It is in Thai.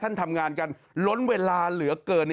ทำงานกันล้นเวลาเหลือเกิน